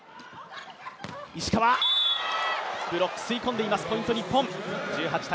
石川、ブロック吸い込んでいますポイント、日本。